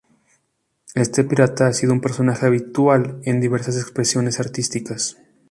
Este pirata ha sido un personaje habitual en diversas expresiones artísticas.